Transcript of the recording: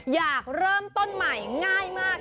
อยากเริ่มต้นใหม่ง่ายมาก